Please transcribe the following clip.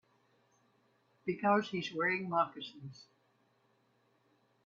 Because he's wearing moccasins.